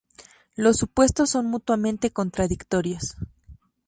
Los supuestos son mutuamente contradictorios.